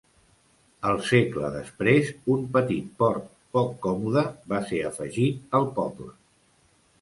El segle després, un petit port poc còmode, va ser afegit al poble.